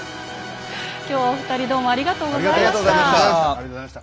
今日はお二人どうもありがとうございました。